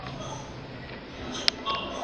زدکړه د زده کوونکي له خوا کيږي؟